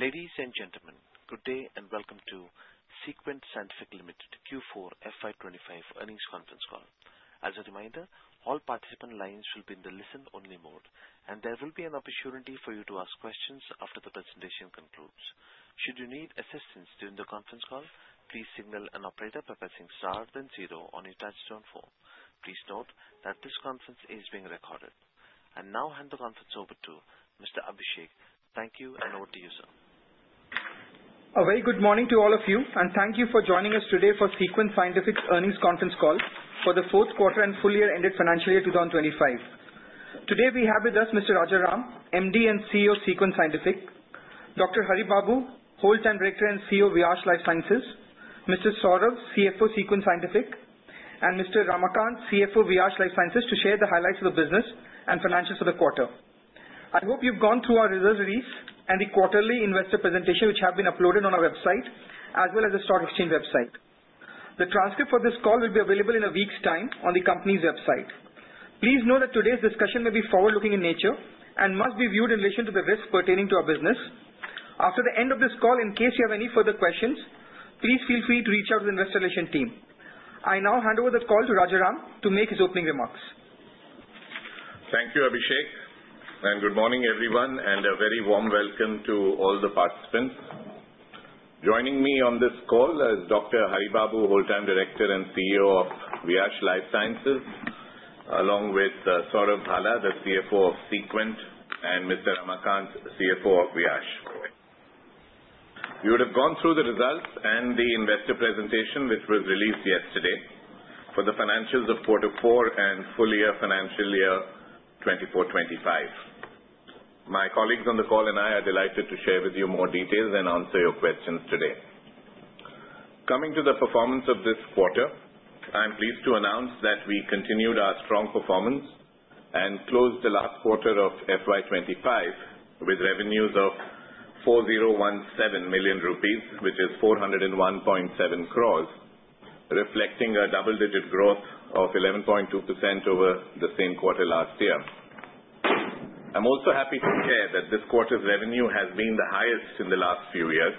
Ladies and gentlemen, good day and welcome to SeQuent Scientific Limited Q4 FY 2025 earnings conference call. As a reminder, all participant lines will be in the listen-only mode, and there will be an opportunity for you to ask questions after the presentation concludes. Should you need assistance during the conference call, please signal an operator by pressing star then zero on your touchtone phone. Please note that this conference is being recorded. I now hand the conference over to Mr. Abhishek. Thank you, and over to you, sir. A very good morning to all of you, and thank you for joining us today for SeQuent Scientific's earnings conference call for the fourth quarter and full year ended FY 2025. Today we have with us Mr. Rajaram, MD and CEO of SeQuent Scientific, Dr. Haribabu, Whole-time Director and CEO of Viyash Life Sciences, Mr. Saurav, CFO, SeQuent Scientific, and Mr. Ramakant, CFO, Viyash Life Sciences, to share the highlights of the business and financials for the quarter. I hope you've gone through our results release and the quarterly investor presentation, which have been uploaded on our website, as well as the stock exchange website. The transcript for this call will be available in a week's time on the company's website. Please know that today's discussion may be forward-looking in nature and must be viewed in relation to the risks pertaining to our business. After the end of this call, in case you have any further questions, please feel free to reach out to the investor relations team. I now hand over this call to Rajaram to make his opening remarks. Thank you, Abhishek, good morning, everyone, and a very warm welcome to all the participants. Joining me on this call is Dr. Haribabu, Whole-time Director and CEO of Viyash Life Sciences, along with Saurav Bhala, the CFO of SeQuent, and Mr. Ramakant, the CFO of Viyash. You would have gone through the results and the investor presentation, which was released yesterday for the financials of quarter four and full year financial year 2024-2025. My colleagues on the call and I are delighted to share with you more details and answer your questions today. Coming to the performance of this quarter, I'm pleased to announce that we continued our strong performance and closed the last quarter of FY 2025 with revenues of 4,017 million rupees, which is 401.7 crores, reflecting a double-digit growth of 11.2% over the same quarter last year. I'm also happy to share that this quarter's revenue has been the highest in the last few years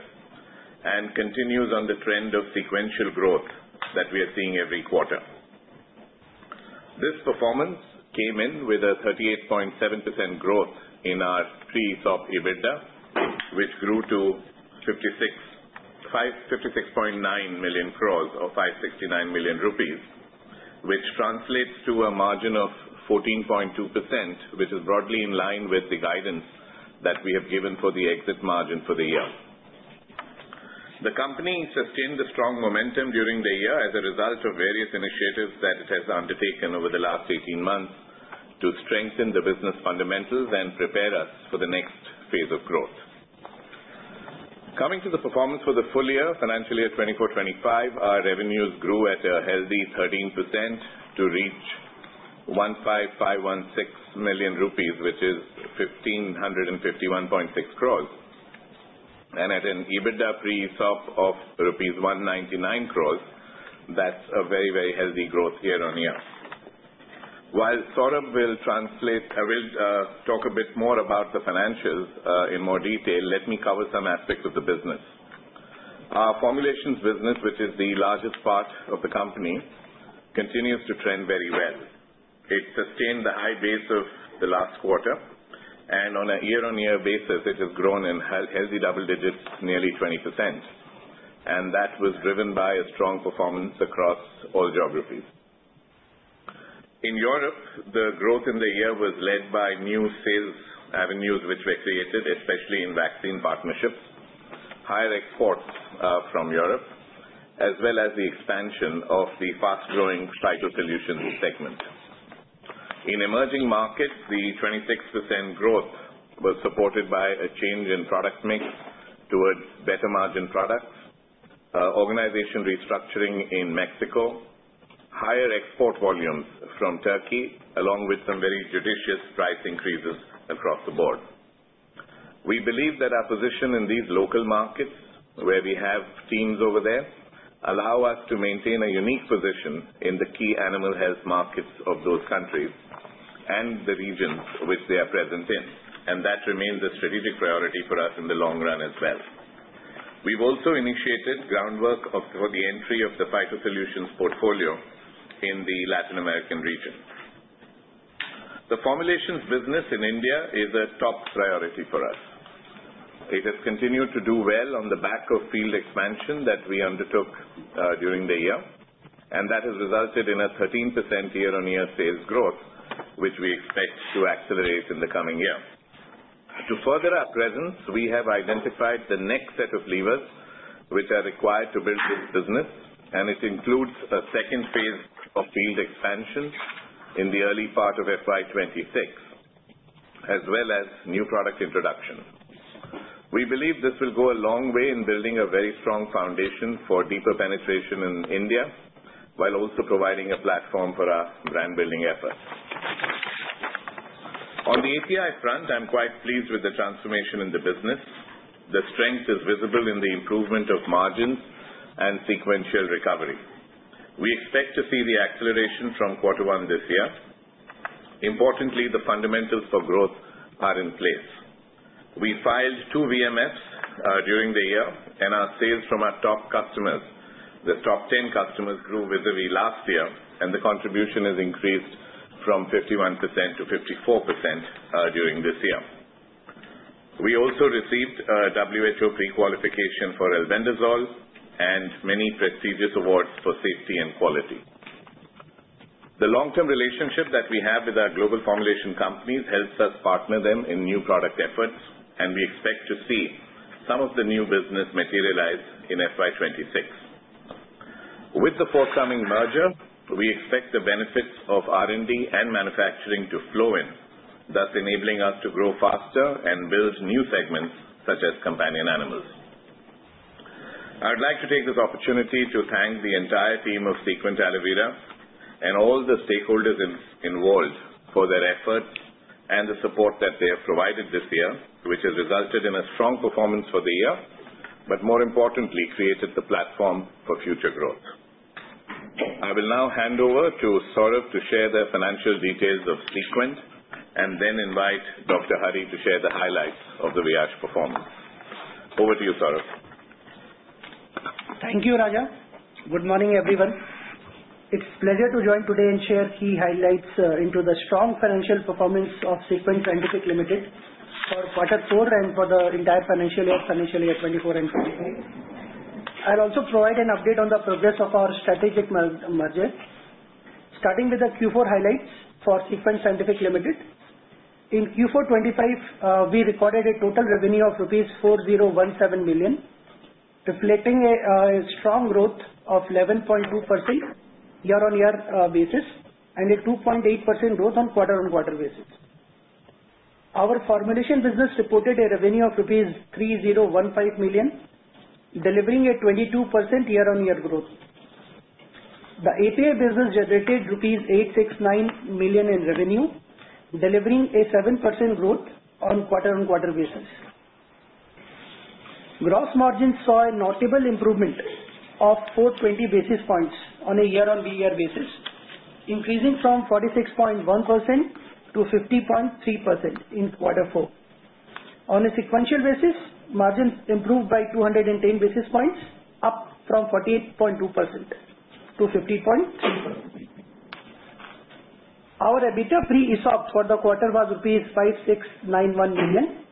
and continues on the trend of sequential growth that we are seeing every quarter. This performance came in with a 38.7% growth in our pre-ESOP EBITDA, which grew to 56.9 crores or 569 million rupees, which translates to a margin of 14.2%, which is broadly in line with the guidance that we have given for the exit margin for the year. The company sustained a strong momentum during the year as a result of various initiatives that it has undertaken over the last 18 months to strengthen the business fundamentals and prepare us for the next phase of growth. Coming to the performance for the full year, financial year 2024-2025, our revenues grew at a healthy 13% to reach 15,516 million rupees, which is 1,551.6 crores. At an EBITDA pre-ESOP of rupees 199 crores, that's a very healthy growth year-on-year. While Saurav will talk a bit more about the financials in more detail, let me cover some aspects of the business. Our formulations business, which is the largest part of the company, continues to trend very well. It sustained the high base of the last quarter, and on a year-on-year basis, it has grown in healthy double digits, nearly 20%, and that was driven by a strong performance across all geographies. In Europe, the growth in the year was led by new sales avenues, which were created, especially in vaccine partnerships, higher exports from Europe, as well as the expansion of the fast-growing Phyto Solutions segment. In emerging markets, the 26% growth was supported by a change in product mix towards better margin products, organization restructuring in Mexico, higher export volumes from Turkey, along with some very judicious price increases across the board. We believe that our position in these local markets, where we have teams over there, allow us to maintain a unique position in the key animal health markets of those countries and the regions which they are present in, and that remains a strategic priority for us in the long run as well. We've also initiated groundwork for the entry of the Phyto Solutions portfolio in the Latin American region. The formulations business in India is a top priority for us. It has continued to do well on the back of field expansion that we undertook during the year, and that has resulted in a 13% year-on-year sales growth, which we expect to accelerate in the coming year. To further our presence, we have identified the next set of levers which are required to build this business, and it includes a second phase of field expansion in the early part of FY 2026, as well as new product introduction. We believe this will go a long way in building a very strong foundation for deeper penetration in India, while also providing a platform for our brand-building efforts. On the API front, I'm quite pleased with the transformation in the business. The strength is visible in the improvement of margins and sequential recovery. We expect to see the acceleration from quarter one this year. Importantly, the fundamentals for growth are in place. We filed two DMFs during the year, and our sales from our top customers, the top 10 customers, grew vis-a-vis last year, and the contribution has increased from 51% to 54% during this year. We also received WHO pre-qualification for albendazole and many prestigious awards for safety and quality. The long-term relationship that we have with our global formulation companies helps us partner them in new product efforts, and we expect to see some of the new business materialize in FY 2026. With the forthcoming merger, we expect the benefits of R&D and manufacturing to flow in, thus enabling us to grow faster and build new segments such as companion animals. I would like to take this opportunity to thank the entire team of SeQuent and Alivira and all the stakeholders involved for their effort and the support that they have provided this year, which has resulted in a strong performance for the year, but more importantly, created the platform for future growth. I will now hand over to Saurav to share the financial details of SeQuent and then invite Dr. Hari to share the highlights of the Viyash performance. Over to you, Saurav. Thank you, Raja. Good morning, everyone. It's a pleasure to join today and share key highlights into the strong financial performance of SeQuent Scientific Limited for Q4 and for the entire financial year of FY 2024 and FY 2025. I will also provide an update on the progress of our strategic merger. Starting with the Q4 highlights for SeQuent Scientific Limited. In Q4 2025, we recorded a total revenue of rupees 4,017 million, reflecting a strong growth of 11.2% year-over-year basis and a 2.8% growth on quarter-over-quarter basis. Our formulation business reported a revenue of 3,015 million rupees, delivering a 22% year-over-year growth. The API business generated rupees 869 million in revenue, delivering a 7% growth on quarter-over-quarter basis. Gross margin saw a notable improvement of 420 basis points on a year-over-year basis, increasing from 46.1% to 50.3% in quarter four. On a sequential basis, margins improved by 210 basis points, up from 48.2% to 50.3%. Our EBITDA pre-ESOP for the quarter was rupees 569 million,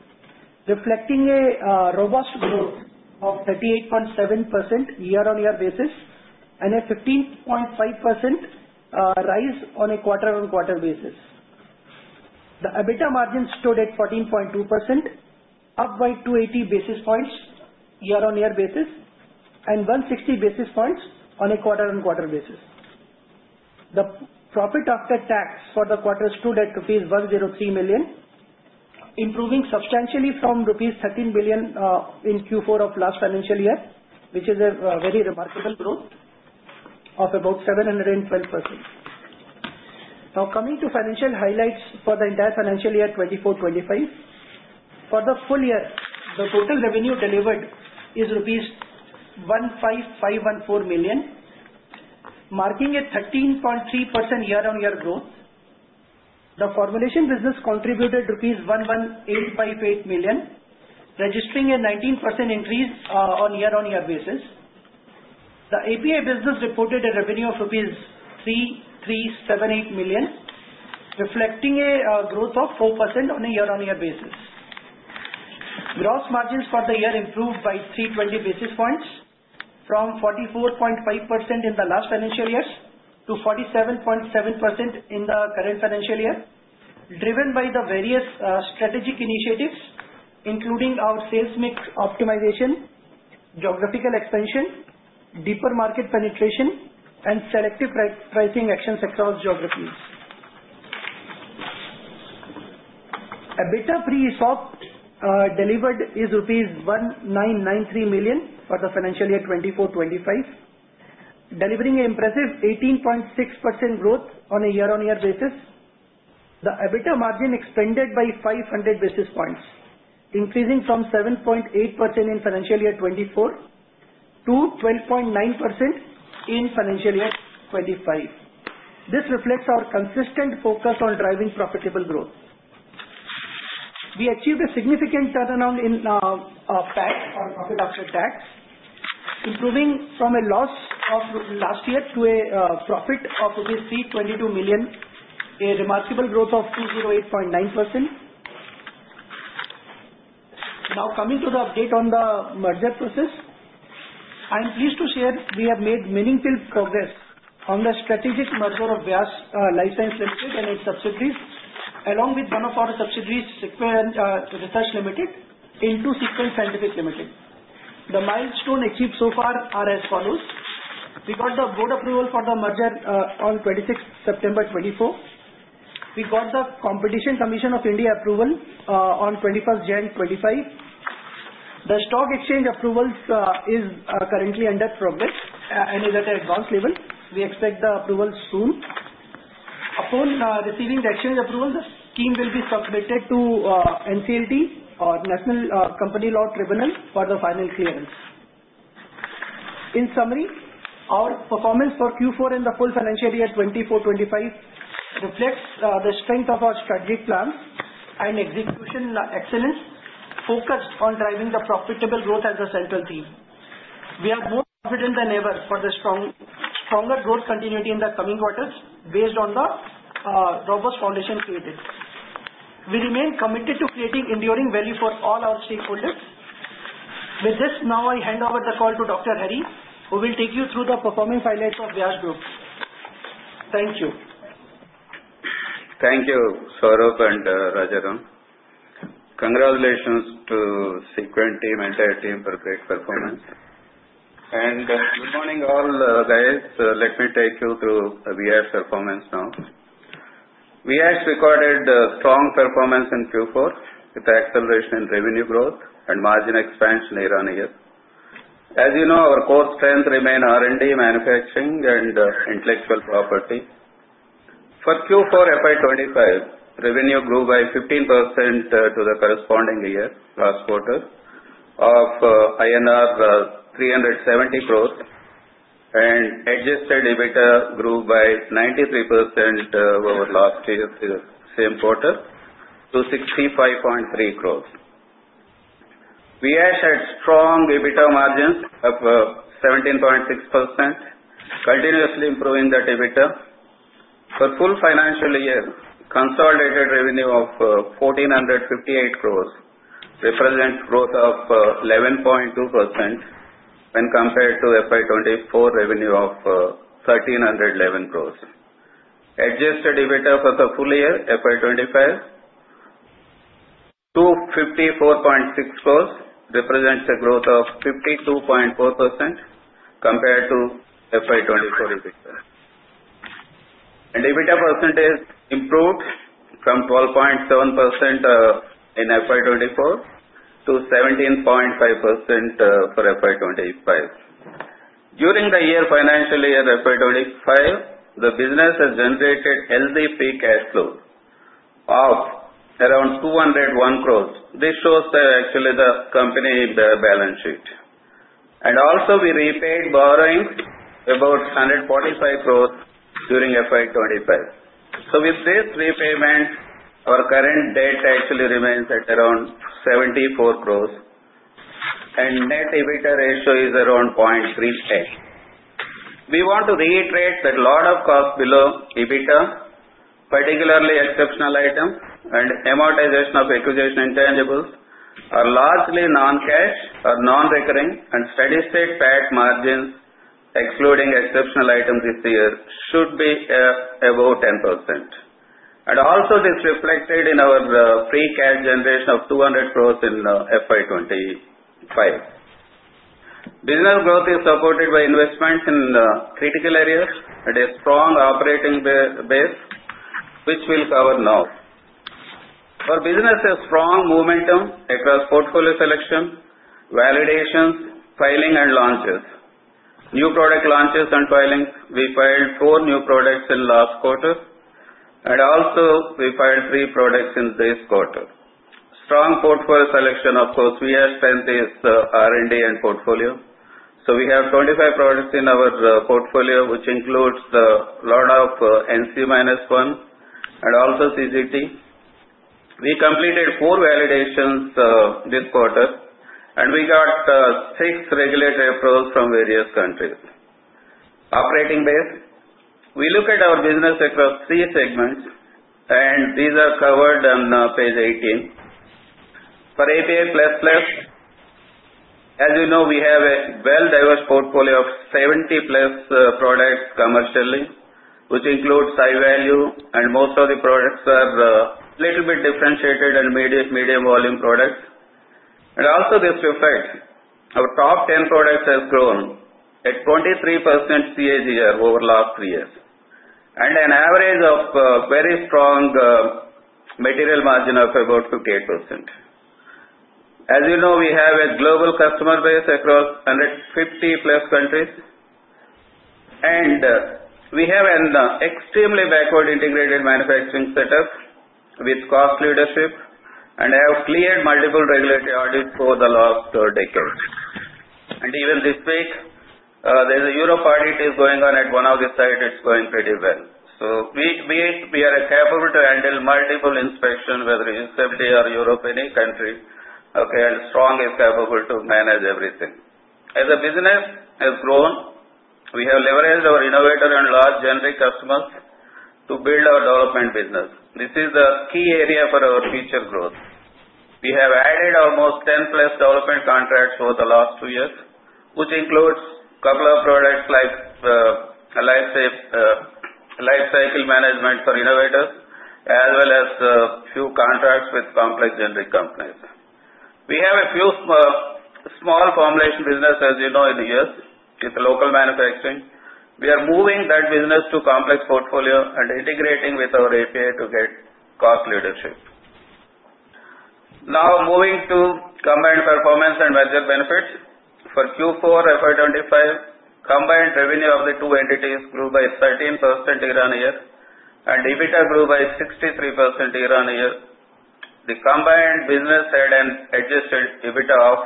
reflecting a robust growth of 38.7% year-on-year basis and a 15.5% rise on a quarter-on-quarter basis. The EBITDA margin stood at 14.2%, up by 280 basis points year-on-year basis and 160 basis points on a quarter-on-quarter basis. The profit after tax for the quarter stood at rupees 103 million, improving substantially from rupees 13 million in Q4 of last financial year, which is a very remarkable growth of about 712%. Coming to financial highlights for the entire financial year 2024-2025. For the full year, the total revenue delivered is rupees 15,514 million, marking a 13.3% year-on-year growth. The formulation business contributed 11,858 million rupees, registering a 19% increase on year-on-year basis. The API business reported a revenue of rupees 3,378 million, reflecting a growth of 4% on a year-on-year basis. Gross margins for the year improved by 320 basis points from 44.5% in the last financial years to 47.7% in the current financial year, driven by the various strategic initiatives, including our sales mix optimization, geographical expansion, deeper market penetration, and selective pricing actions across geographies. EBITDA pre-ESOP delivered is rupees 1,993 million for the financial year FY 2024-2025, delivering impressive 18.6% growth on a year-on-year basis. The EBITDA margin expanded by 500 basis points, increasing from 7.8% in financial year FY 2024 to 12.9% in financial year FY 2025. This reflects our consistent focus on driving profitable growth. We achieved a significant turnaround in PAT, our profit after tax, improving from a loss of last year to a profit of 322 million, a remarkable growth of 208.9%. Coming to the update on the merger process. I'm pleased to share we have made meaningful progress on the strategic merger of Viyash Life Sciences Limited and its subsidiaries, along with one of our subsidiaries, SeQuent Research Limited, into SeQuent Scientific Limited. The milestone achieved so far are as follows. We got the board approval for the merger on 26th September 2024. We got the Competition Commission of India approval on 21st January 2025. The stock exchange approvals are currently under progress and is at an advanced level. We expect the approval soon. Upon receiving the exchange approval, the scheme will be circulated to NCLT or National Company Law Tribunal for the final clearance. In summary, our performance for Q4 and the full financial year 2024-2025 reflects the strength of our strategic plan and execution excellence focused on driving the profitable growth as a central theme. We are more confident than ever for the stronger growth continuity in the coming quarters based on the robust foundation created. We remain committed to creating enduring value for all our stakeholders. With this, now I hand over the call to Dr. Hari, who will take you through the performing highlights of Viyash Group. Thank you. Thank you, Saurav and Rajaram. Congratulations to the SeQuent team, entire team for great performance. Good morning all, guys. Let me take you through Viyash performance now. Viyash recorded a strong performance in Q4 with acceleration in revenue growth and margin expansion year-on-year. As you know, our core strengths remain R&D, manufacturing, and intellectual property. For Q4 FY 2025, revenue grew by 15% to the corresponding year last quarter of INR 370 crores and adjusted EBITDA grew by 93% over last year same quarter to 65.3 crores. Viyash had strong EBITDA margins of 17.6%, continuously improving the EBITDA. For full financial year, consolidated revenue of 1,458 crores represents growth of 11.2% when compared to FY 2024 revenue of 1,311 crores. Adjusted EBITDA for the full year, FY 2025, 254.6 crores represents a growth of 52.4% compared to FY 2024 EBITDA. EBITDA improved from 12.7% in FY 2024 to 17.5% for FY 2025. During the year financial year FY 2025, the business has generated healthy free cash flow of around 201 crores. This shows actually the company in the balance sheet. Also we repaid borrowings about 145 crores during FY 2025. With this repayment, our current debt actually remains at around 74 crores, and net EBITDA ratio is around 0.3x. We want to reiterate that a lot of costs below EBITDA, particularly exceptional items and amortization of acquisition intangibles, are largely non-cash or non-recurring and steady-state PAT margins, excluding exceptional items this year, should be above 10%. Also this reflected in our free cash generation of 200 crores in FY 2025. Business growth is supported by investments in critical areas and a strong operating base, which we'll cover now. Our business has strong momentum across portfolio selection, validations, filing, and launches. New product launches and filings. We filed four new products in last quarter, and also we filed three products in this quarter. Strong portfolio selection. Of course, Viyash strength is R&D and portfolio. We have 25 products in our portfolio, which includes a lot of N-1 and also CGT. We completed four validations this quarter, and we got six regulatory approvals from various countries. Operating base. We look at our business across three segments, and these are covered on page 18. For API plus plus, as you know, we have a well-diverse portfolio of 70 plus products commercially, which includes high value, and most of the products are a little bit differentiated and medium volume products. This reflects our top 10 products has grown at 23% CAGR over last three years, and an average of very strong material margin of about 58%. As you know, we have a global customer base across 150+ countries, and we have an extremely backward-integrated manufacturing setup with cost leadership and have cleared multiple regulatory audits over the last decades. Even this week, there's a Europe audit is going on at one of the site. It's going pretty well. We are capable to handle multiple inspections, whether in U.S.A. or Europe, any country, okay, and strong and capable to manage everything. As the business has grown, we have leveraged our innovator and large generic customers to build our development business. This is a key area for our future growth. We have added almost 10+ development contracts over the last two years, which includes a couple of products like life cycle management for innovators, as well as a few contracts with complex generic companies. We have a few small formulation business, as you know, in the U.S. with local manufacturing. We are moving that business to complex portfolio and integrating with our API to get cost leadership. Moving to combined performance and margin benefits. For Q4 FY 2025, combined revenue of the two entities grew by 13% year-on-year, and EBITDA grew by 63% year-on-year. The combined business had an adjusted EBITDA of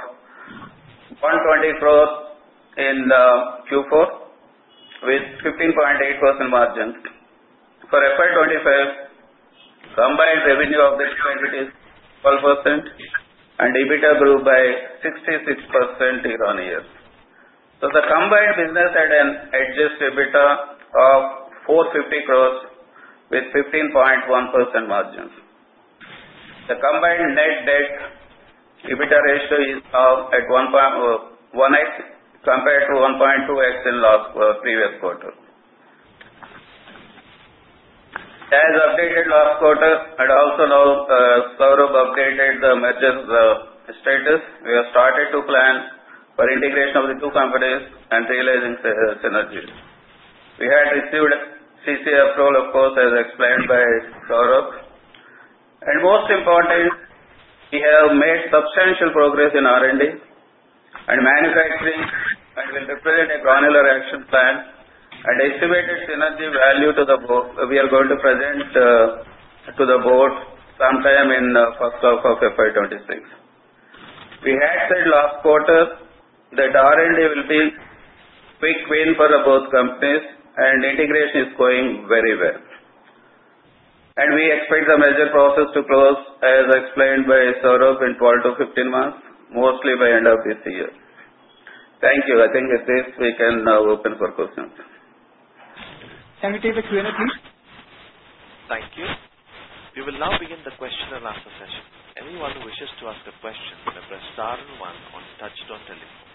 120 crores in Q4, with 15.8% margins. For FY 2025, combined revenue of the two entities, 12%, and EBITDA grew by 66% year-on-year. The combined business had an adjusted EBITDA of 450 crores with 15.1% margins. The combined net debt EBITDA ratio is now at 1x, compared to 1.2x in previous quarter. As updated last quarter, and also now Saurav updated the merger status. We have started to plan for integration of the two companies and realizing synergies. We had received CCI approval, of course, as explained by Saurav. Most important is we have made substantial progress in R&D and manufacturing and will represent a granular action plan and estimated synergy value to the board. We are going to present to the board sometime in first half of FY 2026. We had said last quarter that R&D will be quick win for both companies and integration is going very well. We expect the merger process to close, as explained by Saurav, in 12-15 months, mostly by end of this year. Thank you. I think with this, we can now open for questions. Can we take the Q&A, please? Thank you. We will now begin the question-and-answer session. Anyone who wishes to ask a question, may press star one on touchtone telephone.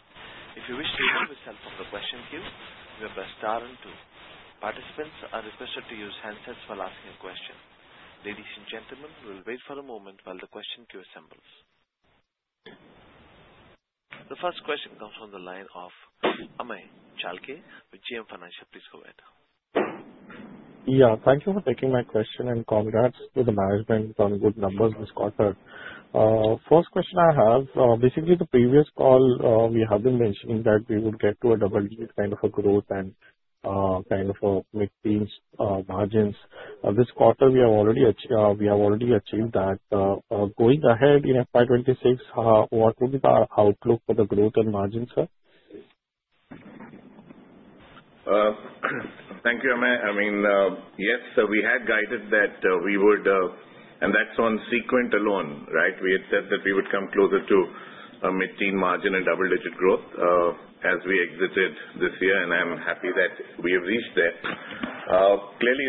If you wish to withdraw yourself from the question queue, you may press star and two. Participants are requested to use handsets while asking a question. Ladies and gentlemen, you will wait a moment while the question queue assembles. The first question comes from the line of Amey Chalke with JM Financial, please go ahead. Yeah. Thank you for taking my question and congrats to the management on good numbers this quarter. First question I have, basically the previous call, we have been mentioning that we would get to a double-digit kind of a growth and mid-teens margins. This quarter we have already achieved that. Going ahead in FY 2026, what will be the outlook for the growth and margins, sir? Thank you, Amey. Yes, we had guided that. That's on SeQuent alone, right? We had said that we would come closer to a mid-teen margin and double-digit growth as we exited this year, and I'm happy that we have reached there.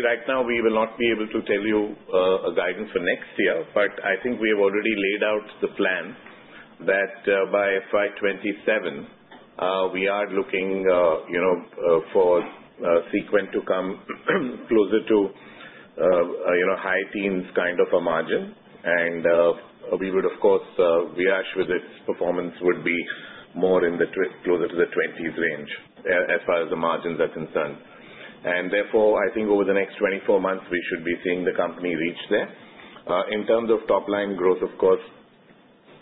Right now, we will not be able to tell you a guidance for next year. I think we have already laid out the plan that by FY 2027, we are looking for SeQuent to come closer to high teens kind of a margin. We would, of course, Viyash with its performance would be closer to the twenties range as far as the margins are concerned. Therefore, I think over the next 24 months, we should be seeing the company reach there. In terms of top-line growth, of course,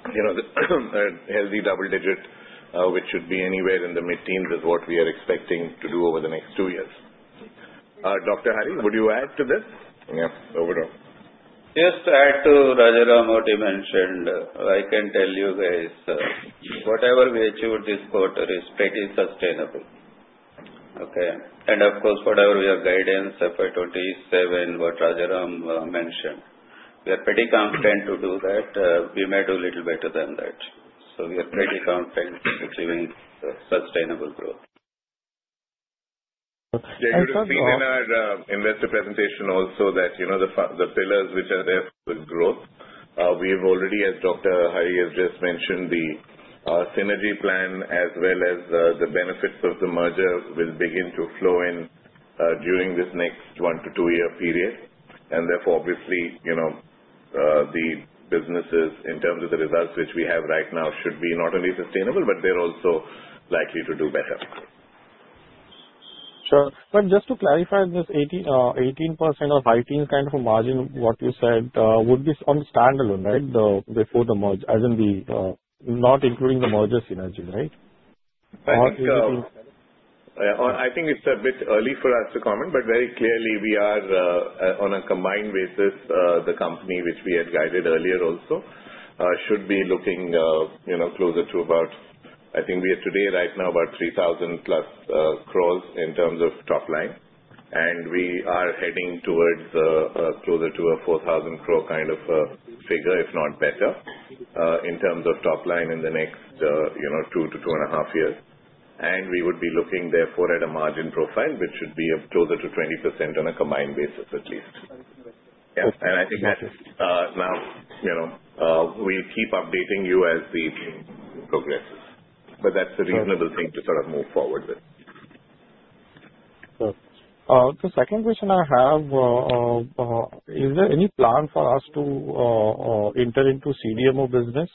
a healthy double digit which should be anywhere in the mid-teens is what we are expecting to do over the next two years. Dr. Hari, would you add to this? Yes. Over to you. Just to add to what Rajaram mentioned, I can tell you guys, whatever we achieved this quarter is pretty sustainable. Okay. Of course, whatever your guidance FY 2027, what Rajaram mentioned, we are pretty confident to do that. We may do little better than that. We are pretty confident in achieving sustainable growth. You would have seen in our investor presentation also that the pillars which are there for growth. We have already, as Dr. Hari has just mentioned, the synergy plan as well as the benefits of the merger will begin to flow in during this next one to two-year period. Therefore, obviously, the businesses in terms of the results which we have right now should be not only sustainable, but they're also likely to do better. Just to clarify, this 18% or high teens kind of a margin, what you said would be on standalone, right? Before the merge, as in not including the merger synergy, right? I think it's a bit early for us to comment. Very clearly we are on a combined basis, the company which we had guided earlier also should be looking closer to about, I think we are today right now about 3,000+ crores in terms of top line. We are heading closer to an 4,000 crore kind of figure, if not better, in terms of top line in the next 2 to 2.5 years. We would be looking therefore at a margin profile, which should be of closer to 20% on a combined basis, at least. Thank you. I think that now we'll keep updating you as the team progresses, but that's a reasonable thing to sort of move forward with. Sure. The second question I have, is there any plan for us to enter into CDMO business?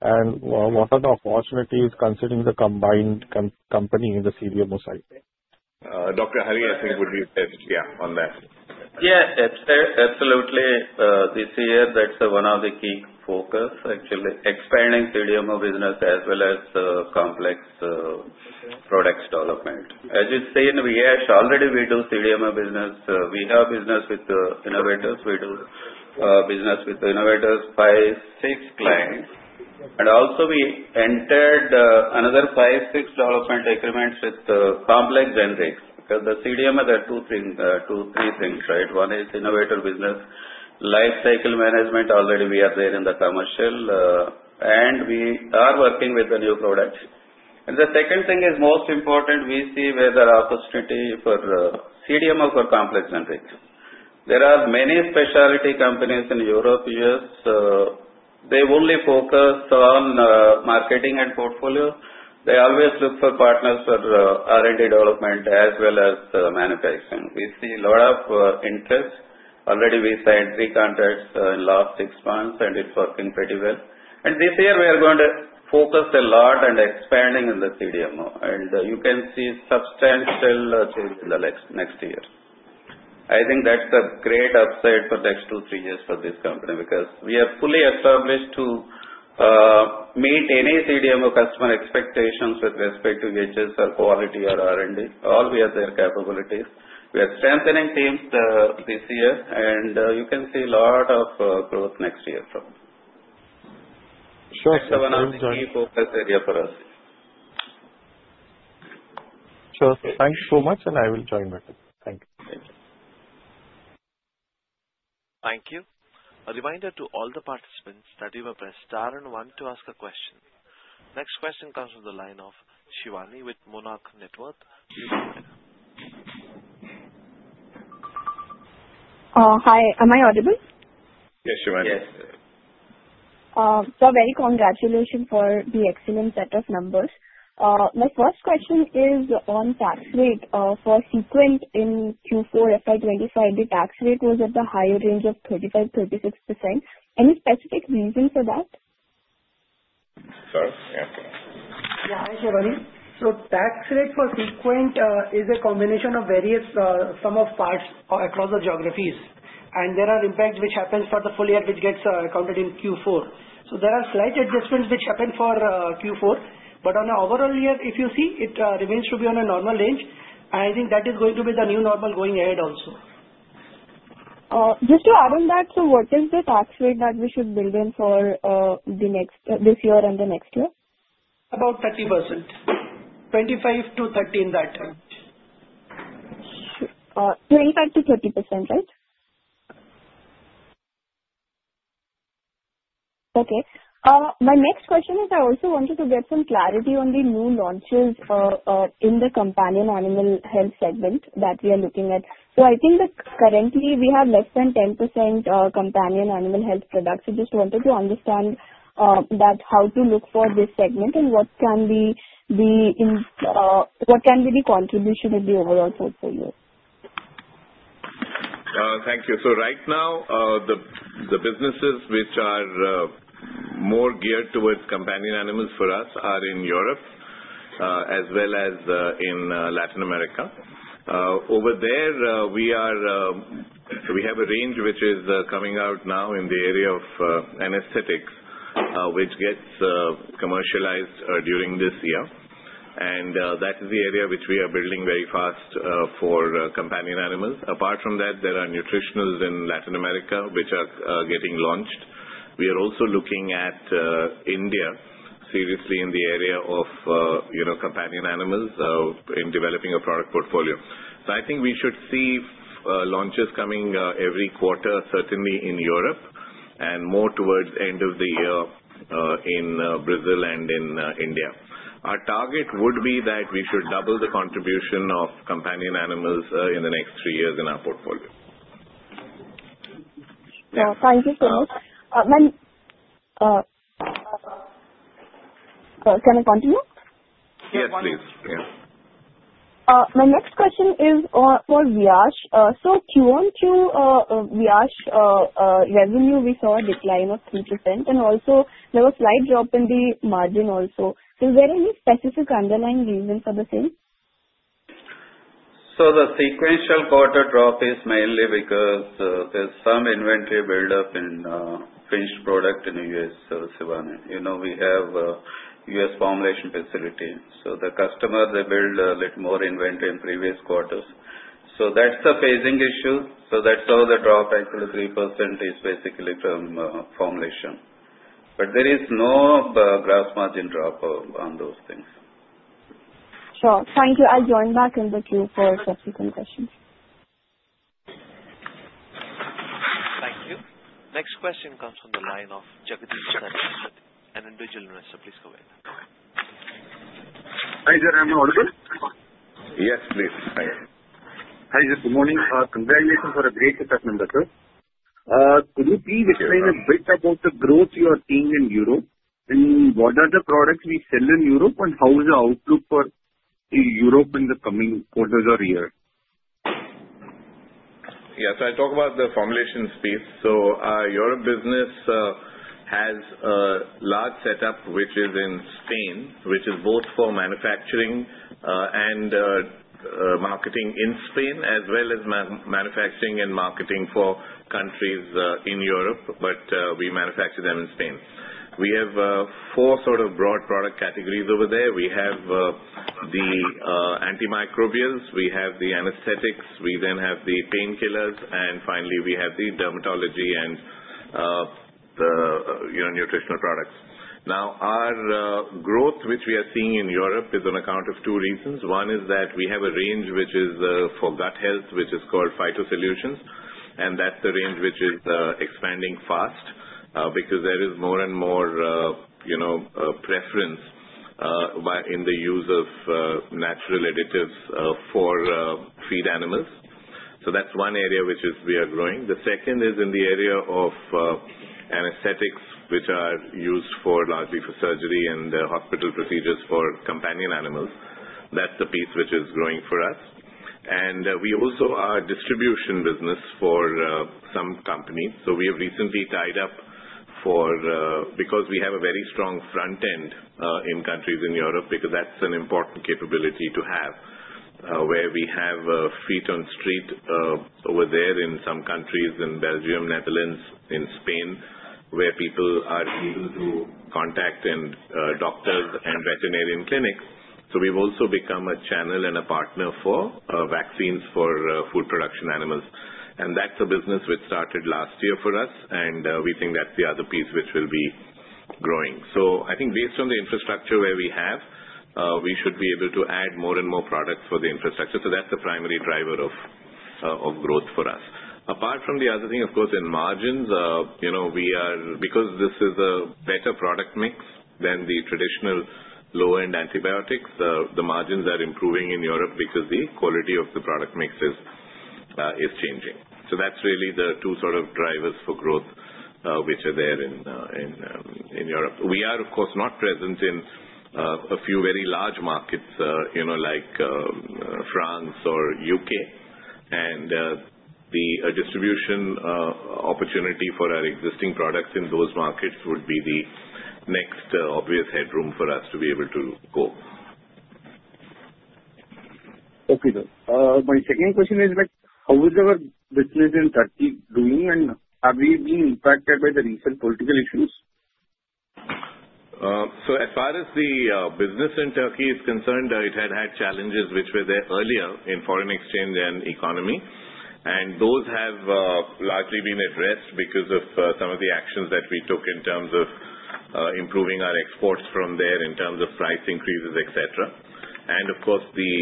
What are the opportunities considering the combined company in the CDMO side? Dr. Hari, I think would be best on that. Yeah, absolutely. This year, that's one of the key focus, actually, expanding CDMO business as well as complex products development. As you say, in Viyash already we do CDMO business. We have business with innovators. We do business with innovators by six clients. Also, we entered another five, six development agreements with complex generics because the CDMO are two, three things, right? One is innovator business. Life cycle management, already we are there in the commercial, and we are working with the new products. The second thing is most important, we see where there are opportunity for CDMO for complex generics. There are many specialty companies in Europe, U.S. They only focus on marketing and portfolio. They always look for partners for R&D development as well as manufacturing. We see lot of interest. Already we signed three contracts in last six months, and it's working pretty well. This year we are going to focus a lot on expanding in the CDMO, you can see substantial change in the next year. I think that's a great upside for the next two, three years for this company because we are fully established to meet any CDMO customer expectations with respect to EHS or quality or R&D. All we have their capabilities. We are strengthening teams this year, and you can see lot of growth next year from. That's one of the key focus area for us. Sure. Thanks so much and I will join back in. Thank you. Thank you. Thank you. A reminder to all the participants that you may press star one to ask a question. Next question comes from the line of Shiwani with Monarch Networth. Please go ahead. Oh, hi. Am I audible? Yes, Shiwani. Yes. Sir, very congratulations for the excellent set of numbers. My first question is on tax rate. For SeQuent in Q4 FY 2025, the tax rate was at the higher range of 35%-36%. Any specific reason for that? Yeah, hi, Shiwani. Tax rate for SeQuent is a combination of various sum of parts across the geographies. There are impacts which happens for the full year, which gets accounted in Q4. There are slight adjustments which happen for Q4. On an overall year, if you see, it remains to be on a normal range. I think that is going to be the new normal going ahead also. Just to add on that, what is the tax rate that we should build in for this year and the next year? About 30%. 25%-30%, in that range. Sure. 25%-30%, right? Okay. My next question is, I also wanted to get some clarity on the new launches in the companion animal health segment that we are looking at. I think that currently we have less than 10% companion animal health products. Just wanted to understand that how to look for this segment and what can be the contribution in the overall portfolio. Thank you. Right now, the businesses which are more geared towards companion animals for us are in Europe, as well as in Latin America. Over there, we have a range which is coming out now in the area of anesthetics, which gets commercialized during this year. That is the area which we are building very fast for companion animals. Apart from that, there are nutritionals in Latin America, which are getting launched. We are also looking at India seriously in the area of companion animals in developing a product portfolio. I think we should see launches coming every quarter, certainly in Europe, and more towards end of the year in Brazil and in India. Our target would be that we should double the contribution of companion animals in the next three years in our portfolio. Yeah. Thank you so much. Can I continue? Yes, please. My next question is for Viyash. Q1 Viyash revenue, we saw a decline of 3%, and also there was slight drop in the margin also. Were there any specific underlying reasons for the same? The sequential quarter drop is mainly because there's some inventory build-up in finished product in U.S., Shiwani. We have U.S. formulation facility. The customers, they build a little more inventory in previous quarters. That's the phasing issue. That's how the drop actually 3% is basically from formulation. There is no gross margin drop on those things. Sure. Thank you. I'll join back in the queue for subSeQuent questions. Thank you. Next question comes from the line of Jagadees Sharma, an individual investor. Please go ahead. Hi there. Am I audible? Yes, please. Hi, good morning. Congratulations for a great set of numbers, sir. Could you please explain a bit about the growth you are seeing in Europe, and what are the products we sell in Europe, and how is the outlook for Europe in the coming quarters or year? Yes. I'll talk about the formulation space. Europe business has a large setup, which is in Spain, which is both for manufacturing and marketing in Spain, as well as manufacturing and marketing for countries in Europe. We manufacture them in Spain. We have four sort of broad product categories over there. We have the antimicrobials, we have the anesthetics, we then have the painkillers, finally, we have the dermatology and the nutritional products. Our growth, which we are seeing in Europe, is on account of two reasons. One is that we have a range which is for gut health, which is called Phyto Solutions, that's the range which is expanding fast because there is more and more preference in the use of natural additives for feed animals. That's one area which we are growing. The second is in the area of anesthetics, which are used largely for surgery and hospital procedures for companion animals. That's the piece which is growing for us. We also are a distribution business for some companies. We have recently tied up, because we have a very strong front end in countries in Europe, because that's an important capability to have, where we have a feet on street over there in some countries, in Belgium, Netherlands, in Spain, where people are able to contact doctors and veterinarian clinics. We've also become a channel and a partner for vaccines for food production animals. That's a business which started last year for us, and we think that's the other piece which will be growing. I think based on the infrastructure where we have, we should be able to add more and more products for the infrastructure. That's the primary driver of growth for us. Apart from the other thing, of course, in margins, because this is a better product mix than the traditional low-end antibiotics, the margins are improving in Europe because the quality of the product mix is changing. That's really the two sort of drivers for growth, which are there in Europe. We are, of course, not present in a few very large markets like France or U.K., and the distribution opportunity for our existing products in those markets would be the next obvious headroom for us to be able to go. Okay. My second question is that, how is our business in Turkey doing, and are we being impacted by the recent political issues? As far as the business in Turkey is concerned, it had had challenges which were there earlier in foreign exchange and economy, and those have largely been addressed because of some of the actions that we took in terms of improving our exports from there, in terms of price increases, et cetera. Of course, the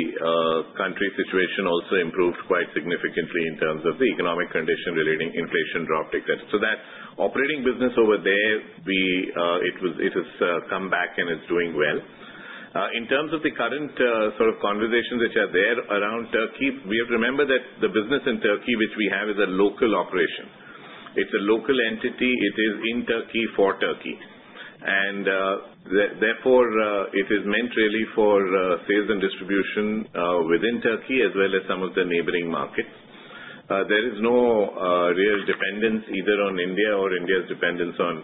country situation also improved quite significantly in terms of the economic condition relating inflation drop, et cetera. That operating business over there, it has come back and is doing well. In terms of the current sort of conversations which are there around Turkey, we have to remember that the business in Turkey which we have is a local operation. It's a local entity. It is in Turkey for Turkey, and therefore, it is meant really for sales and distribution within Turkey as well as some of the neighboring markets. There is no real dependence either on India or India's dependence on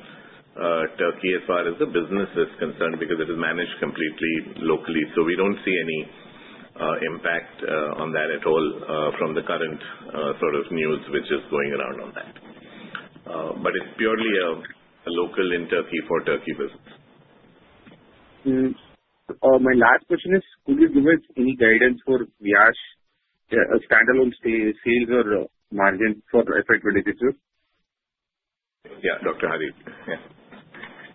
Turkey as far as the business is concerned, because it is managed completely locally. We don't see any impact on that at all from the current sort of news which is going around on that. It's purely a local in Turkey for Turkey business. My last question is, could you give us any guidance for Viyash standalone sales or margins for FY 2026? Yeah. Dr. Hari. Yeah.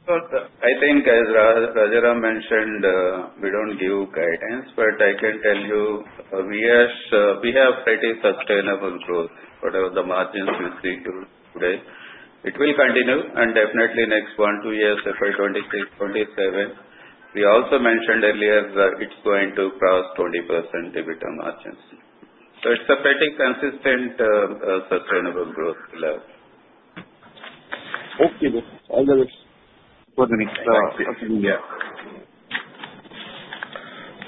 I think as Rajaram mentioned, we don't give guidance, but I can tell you, Viyash, we have pretty sustainable growth. Whatever the margins we see today, it will continue and definitely next one, two years, FY 2026, FY 2027. We also mentioned earlier that it's going to cross 20% EBITDA margins. It's a pretty consistent, sustainable growth we'll have. Okay. All the best for the next financial year.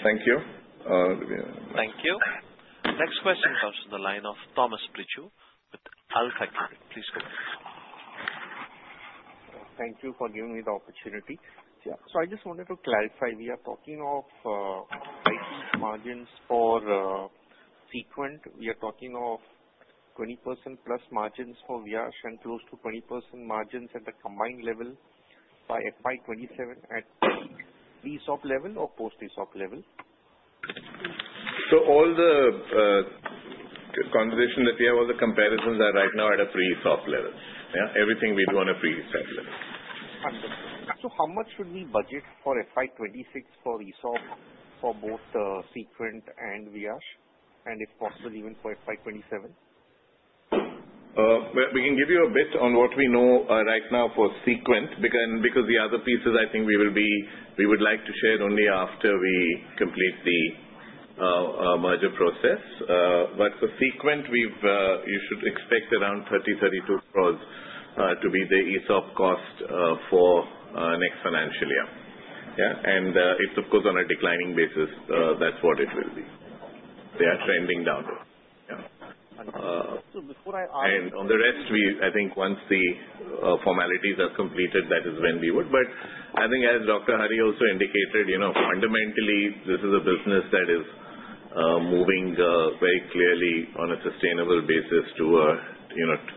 Thank you. Thank you. Next question comes from the line of Thomas Priju with AlfAccurate. Please go ahead. Thank you for giving me the opportunity. I just wanted to clarify, we are talking of high margins for SeQuent. We are talking of 20%-plus margins for Viyash and close to 20% margins at the combined level by FY 2027 at pre-ESOP level or post-ESOP level? All the conversation that we have, all the comparisons are right now at a pre-ESOP level. Everything we do on a pre-ESOP level. Understood. How much should we budget for FY 2026 for ESOP for both SeQuent and Viyash, and if possible, even for FY 2027? We can give you a bit on what we know right now for SeQuent, because the other pieces I think we would like to share it only after we complete the merger process. For SeQuent, you should expect around 30, 32 crores to be the ESOP cost for next financial year. It's of course, on a declining basis. That's what it will be. They are trending downward. Understood. On the rest, I think once the formalities are completed, that is when we would. I think as Dr. Hari also indicated, fundamentally, this is a business that is moving very clearly on a sustainable basis to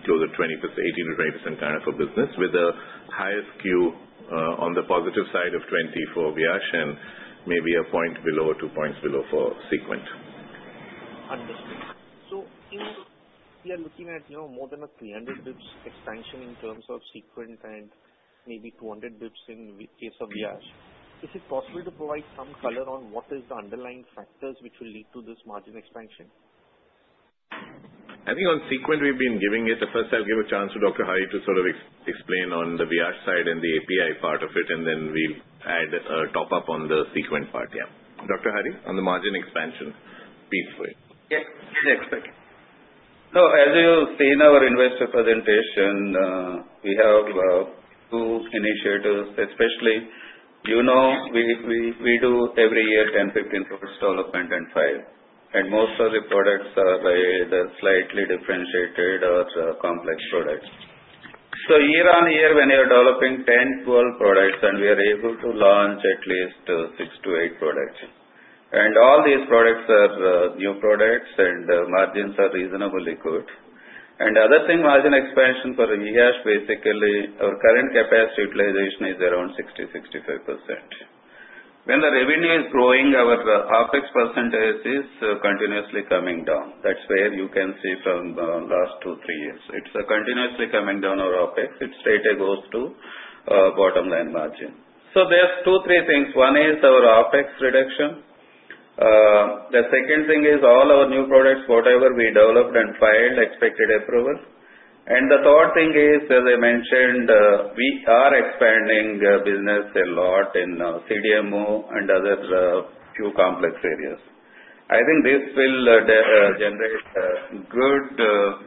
closer to 18%-20% kind of a business with the highest Q on the positive side of 20 for Viyash and maybe one point below or two points below for SeQuent. Understood. You are looking at more than a 300 basis points expansion in terms of SeQuent and maybe 200 bps in case of Viyash. Is it possible to provide some color on what is the underlying factors which will lead to this margin expansion? I think on SeQuent, we've been giving it. First, I'll give a chance to Dr. Hari to sort of explain on the Viyash side and the API part of it, and then we'll add a top-up on the SeQuent part. Yeah. Dr. Hari, on the margin expansion piece for you. As you see in our investor presentation, we have two initiatives, especially, you know we do every year 10, 15 products development and file. Most of the products are either slightly differentiated or complex products. Year on year, when we are developing 10, 12 products, and we are able to launch at least six to eight products. All these products are new products and margins are reasonably good. Other thing, margin expansion for Viyash, basically, our current capacity utilization is around 60%, 65%. When the revenue is growing, our OpEx percentage is continuously coming down. That is where you can see from last two, three years. It is continuously coming down, our OpEx, it straight away goes to bottom line margin. There are two, three things. One is our OpExreduction. The second thing is all our new products, whatever we developed and filed, expected approval. The third thing is, as I mentioned, we are expanding business a lot in CDMO and other few complex areas. I think this will generate good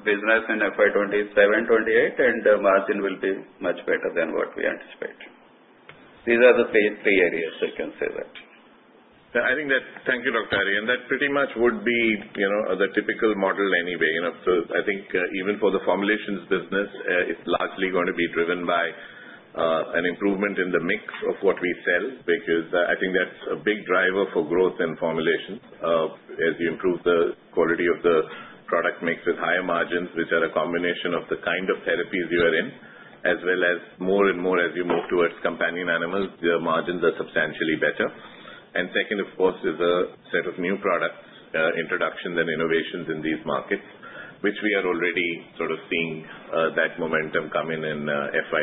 business in FY 2027, 2028, and margin will be much better than what we anticipate. These are the three areas I can say that. Thank you, Dr. Hari. That pretty much would be the typical model anyway. I think even for the formulations business, it's largely going to be driven by an improvement in the mix of what we sell, because I think that's a big driver for growth in formulations. As you improve the quality of the product mix with higher margins, which are a combination of the kind of therapies you are in, as well as more and more as you move towards companion animals, their margins are substantially better. Second, of course, is a set of new products, introductions and innovations in these markets, which we are already sort of seeing that momentum come in in FY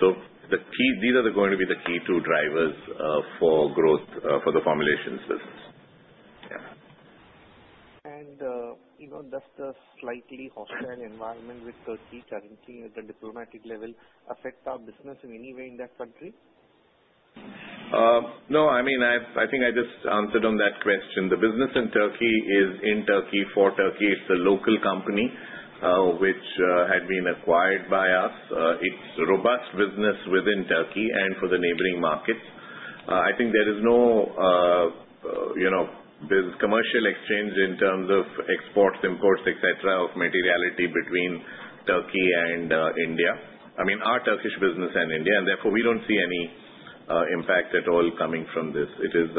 2025. These are going to be the key two drivers for growth for the formulations business. Does the slightly hostile environment with Turkey currently at the diplomatic level affect our business in any way in that country? No. I think I just answered on that question. The business in Turkey is in Turkey for Turkey. It's a local company, which had been acquired by us. It's robust business within Turkey and for the neighboring markets. I think there is no commercial exchange in terms of exports, imports, et cetera, of materiality between Turkey and India. I mean, our Turkish business and India, therefore, we don't see any impact at all coming from this. It is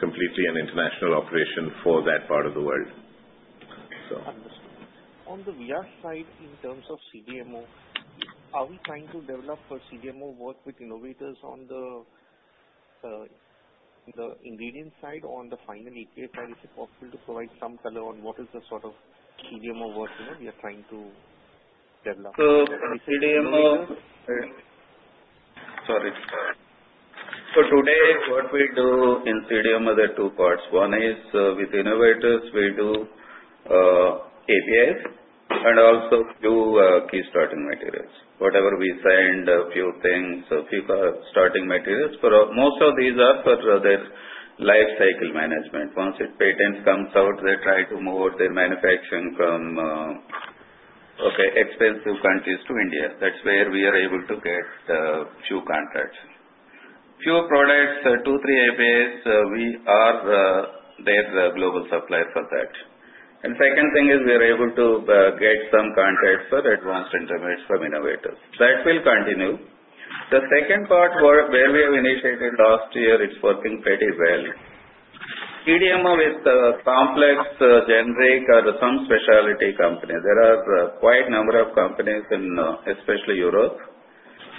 completely an international operation for that part of the world. Understood. On the Viyash side, in terms of CDMO, are we trying to develop for CDMO work with innovators on the ingredient side or on the final API side? Is it possible to provide some color on what is the sort of CDMO work we are trying to develop? Today, what we do in CDMO are two parts. One is with innovators, we do APIs and also do key starting materials. Whatever we signed, a few things, a few starting materials. Most of these are for their life cycle management. Once the patent comes out, they try to move their manufacturing from expensive countries to India. That's where we are able to get a few contracts. Few products, two, three APIs, we are their global supplier for that. Second thing is we are able to get some contracts for advanced intermediates from innovators. That will continue. The second part where we have initiated last year, it's working pretty well. CDMO is a complex generic or some specialty company. There are quite a number of companies in especially Europe.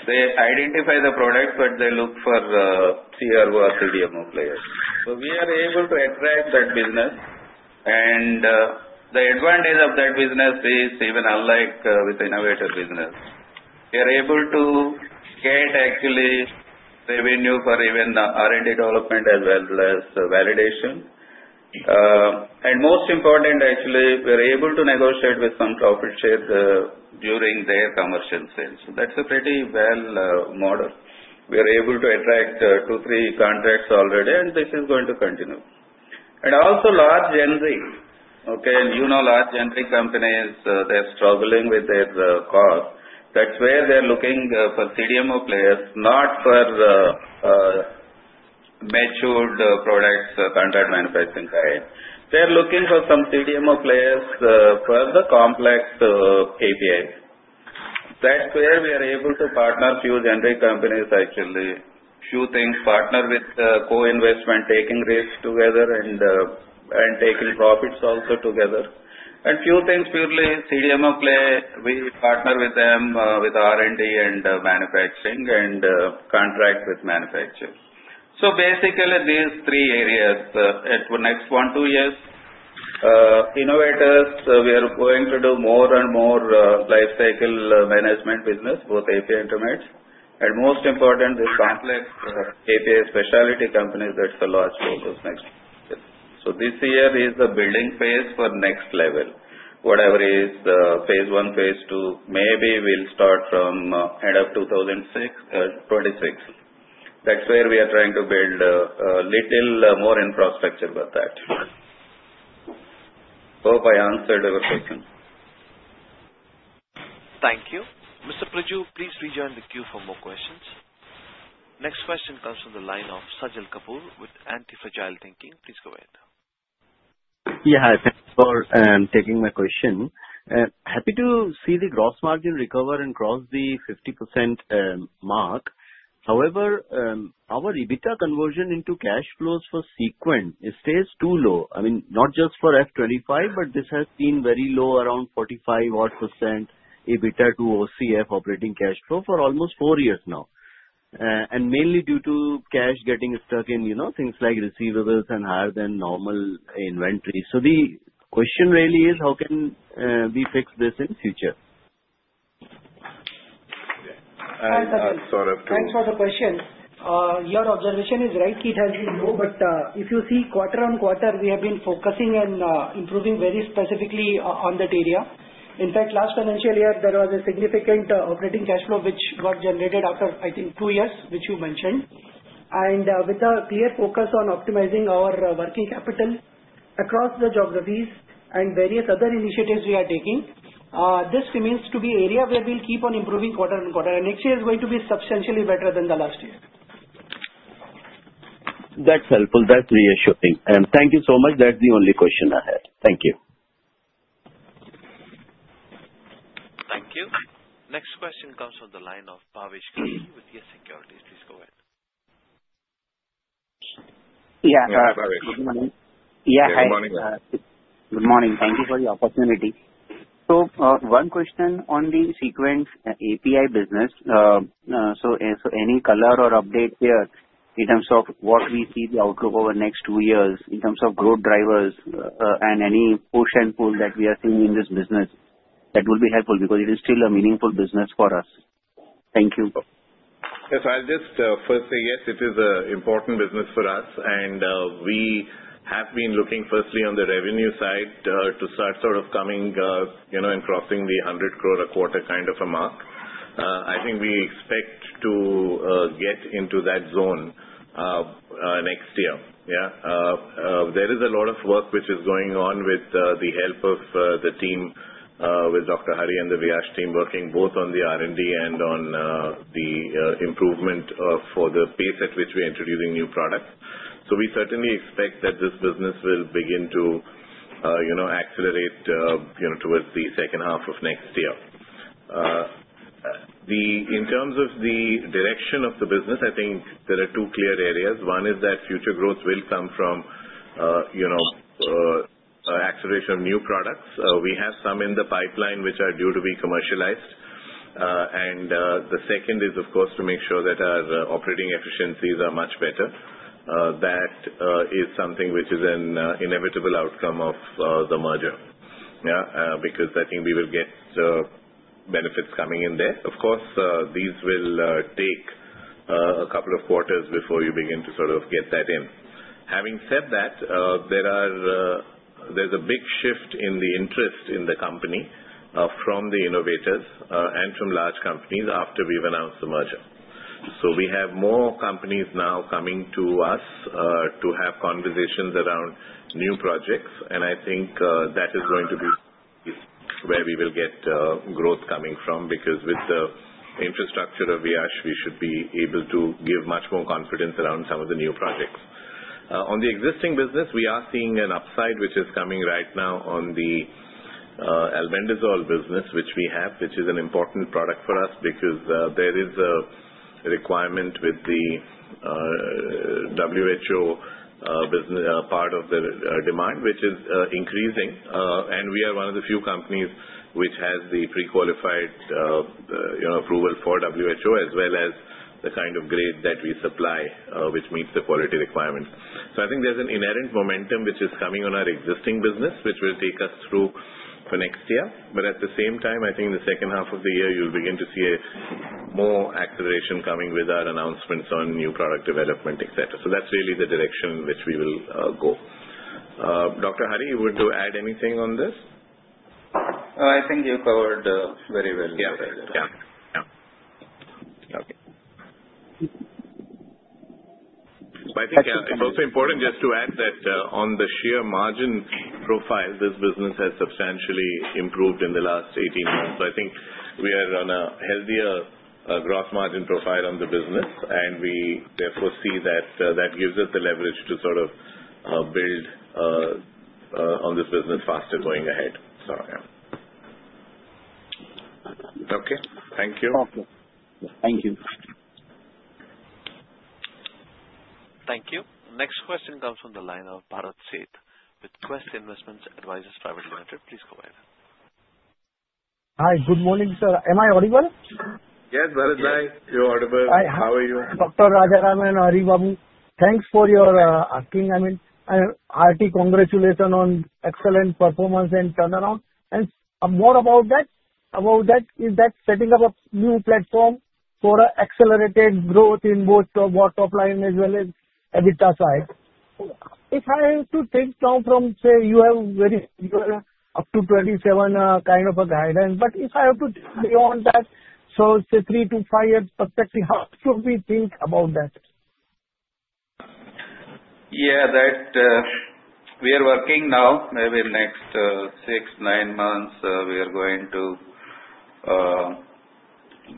They identify the product, but they look for CRO or CDMO players. We are able to attract that business, and the advantage of that business is even unlike with innovator business. We are able to get actually revenue for even R&D development as well as validation. Most important actually, we're able to negotiate with some profit share during their commercial sales. That's a pretty well model. We are able to attract two, three contracts already, and this is going to continue. Also large generic companies, they're struggling with their cost. That's where they're looking for CDMO players, not for matured products, contract manufacturing type. They're looking for some CDMO players for the complex APIs. That's where we are able to partner few generic companies actually. Few things, partner with co-investment, taking risks together and taking profits also together. Few things purely CDMO play, we partner with them with R&D and manufacturing and contract with manufacturers. Basically, these three areas for next one, two years. Innovators, we are going to do more and more life cycle management business, both API intermediates, and most important is complex API specialty companies. That's the large focus next. This year is the building phase for next level. Whatever is phase I, phase II, maybe we'll start from end of 2026. That's where we are trying to build a little more infrastructure with that. Hope I answered your question. Thank you. Mr. Priju, please rejoin the queue for more questions. Next question comes from the line of Sajal Kapoor with Antifragile Thinking. Please go ahead. Yeah. Hi, thanks for taking my question. Happy to see the gross margin recover and cross the 50% mark. However, our EBITDA conversion into cash flows for SeQuent, it stays too low. I mean, not just for FY 2025, but this has been very low, around 45% odd EBITDA to OCF, operating cash flow, for almost four years now. Mainly due to cash getting stuck in things like receivables and higher than normal inventory. The question really is, how can we fix this in future? Saurav? Thanks for the question. Your observation is right, it has been low, but if you see quarter-on-quarter, we have been focusing on improving very specifically on that area. In fact, last financial year, there was a significant operating cash flow which got generated after, I think, two years, which you mentioned. With a clear focus on optimizing our working capital across the geographies and various other initiatives we are taking, this remains to be area where we will keep on improving quarter-on-quarter. Next year is going to be substantially better than the last year. That's helpful. That's reassuring. Thank you so much. That's the only question I had. Thank you. Thank you. Next question comes from the line of Bhavesh Gandhi with Yes Securities. Please go ahead. Yeah. Yeah, Bhavesh. Good morning. Good morning. Yeah. Hi. Good morning. Thank you for the opportunity. One question on the SeQuent API business. Any color or update there in terms of what we see the outlook over next two years in terms of growth drivers and any push and pull that we are seeing in this business? That will be helpful because it is still a meaningful business for us. Thank you. Yes, I'll just first say yes, it is a important business for us. We have been looking firstly on the revenue side to start sort of coming and crossing the 100 crore a quarter kind of a mark. I think we expect to get into that zone next year. There is a lot of work which is going on with the help of the team with Dr. Hari and the Viyash team working both on the R&D and on the improvement for the pace at which we're introducing new products. We certainly expect that this business will begin to accelerate towards the second half of next year. In terms of the direction of the business, I think there are two clear areas. One is that future growth will come from acceleration of new products. We have some in the pipeline which are due to be commercialized. The second is, of course, to make sure that our operating efficiencies are much better. That is something which is an inevitable outcome of the merger. I think we will get benefits coming in there. Of course, these will take a couple of quarters before you begin to sort of get that in. Having said that, there's a big shift in the interest in the company from the innovators and from large companies after we've announced the merger. We have more companies now coming to us to have conversations around new projects, and I think that is going to be where we will get growth coming from because with the infrastructure of Viyash, we should be able to give much more confidence around some of the new projects. On the existing business, we are seeing an upside, which is coming right now on the albendazole business, which we have, which is an important product for us because there is a requirement with the WHO part of the demand, which is increasing. We are one of the few companies which has the pre-qualified approval for WHO, as well as the kind of grade that we supply which meets the quality requirements. I think there's an inherent momentum which is coming on our existing business, which will take us through for next year. At the same time, I think the second half of the year, you'll begin to see a more acceleration coming with our announcements on new product development, et cetera. That's really the direction which we will go. Dr. Hari, would you add anything on this? I think you covered very well. Yeah. Okay. I think it's also important just to add that on the sheer margin profile, this business has substantially improved in the last 18 months. I think we are on a healthier gross margin profile on the business, and we therefore see that that gives us the leverage to sort of build on this business faster going ahead. Yeah. Okay. Thank you. No problem. Thank you. Thank you. Next question comes from the line of Bharat Sheth with Quest Investment Advisors Private Limited. Please go ahead. Hi. Good morning, sir. Am I audible? Yes, Bharat. You're audible. How are you? Dr. Rajaram and Haribabu, thanks for your asking. Hearty congratulations on excellent performance and turnaround. More about that is that setting up a new platform for accelerated growth in both top line as well as EBITDA side. If I have to think now from, say, you are up to FY 2027 kind of a guidance, but if I have to beyond that, so say three to five years perspective, how should we think about that? Yeah. We are working now. Maybe next six, nine months, we are going to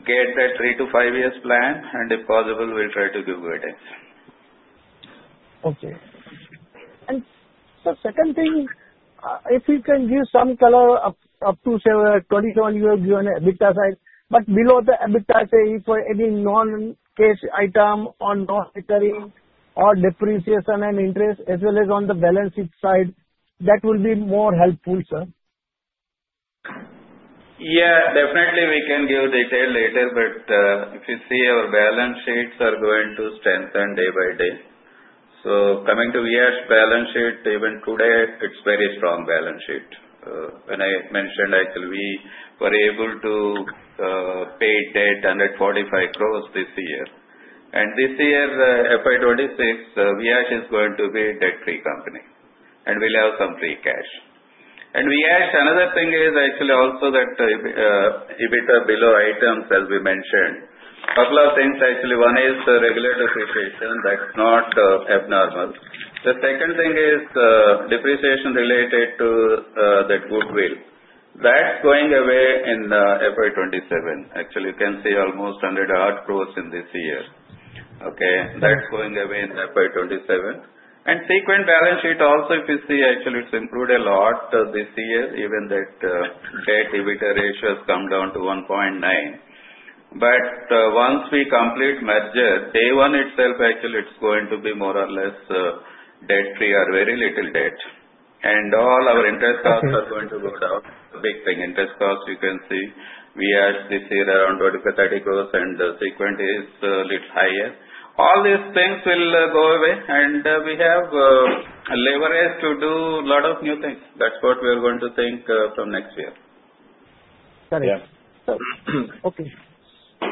get that three to five years plan, and if possible, we'll try to give guidance. Okay. Sir, second thing, if you can give some color up to say FY 2021 you have given EBITDA side, below the EBITDA say for any non-cash item or non-recurring or depreciation and interest as well as on the balance sheet side, that will be more helpful, sir. Yeah. Definitely, we can give detail later, but if you see our balance sheets are going to strengthen day by day. Coming to Viyash balance sheet, even today, it's very strong balance sheet. When I mentioned actually we were able to pay debt 145 crore this year. This year, FY 2026, Viyash is going to be a debt-free company, and we'll have some free cash. Viyash, another thing is actually also that EBITDA below items, as we mentioned. Couple of things actually. One is the regulatory situation that's not abnormal. The second thing is depreciation related to the goodwill. That's going away in FY 2027. Actually, you can see almost 108 crore in this year. Okay. That's going away in FY 2027. SeQuent balance sheet also, if you see actually it's improved a lot this year, even that debt-EBITDA ratio has come down to 1.9. Once we complete merger, day one itself, actually it's going to be more or less debt-free or very little debt. All our interest costs are going to go down. Big thing, interest costs, you can see Viyash this year around 20 crores to 30 crores and SeQuent is little higher. All these things will go away. We have a leverage to do lot of new things. That's what we are going to think from next year. Correct. Yeah. Okay.